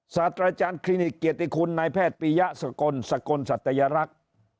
ศาสตราจารย์คลินิกเกียรติคุณนายแพทย์ปียะสกลสกลสัตยรักษ์